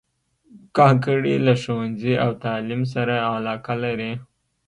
کاکړي له ښوونځي او تعلیم سره علاقه لري.